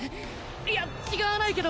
「いや違わないけど」